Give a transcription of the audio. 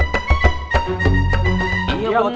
kita sanggup pak ustadz